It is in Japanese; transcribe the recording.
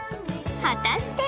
果たして